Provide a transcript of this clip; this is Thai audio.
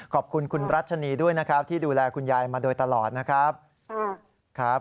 ขอบคุณคุณรัชนีด้วยนะครับที่ดูแลคุณยายมาโดยตลอดนะครับ